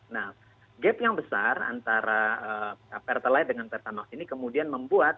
nah gap yang besar antara pertalite dengan pertamax ini kemudian membuat